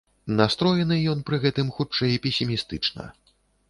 Настроены ён пры гэтым хутчэй песімістычна.